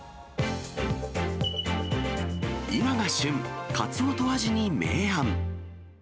今が旬、カツオとアジに明暗。